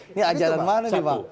ini ajaran mana pak